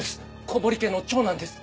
小堀家の長男です。